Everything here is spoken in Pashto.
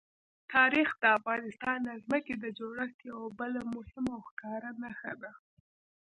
تاریخ د افغانستان د ځمکې د جوړښت یوه بله مهمه او ښکاره نښه ده.